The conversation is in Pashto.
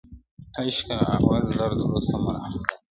عشقه اول درد وروسته مرحم راکه.